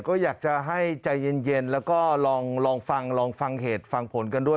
ก็อยากจะให้ใจเย็นแล้วก็ลองฟังลองฟังเหตุฟังผลกันด้วย